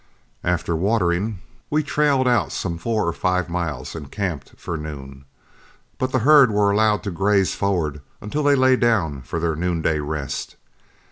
After watering, we trailed out some four or five miles and camped for noon, but the herd were allowed to graze forward until they lay down for their noonday rest.